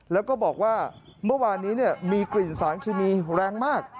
แล้วก็บอกว่าเมื่อวานนี้มีกลิ่นสารเคมีแรงมาก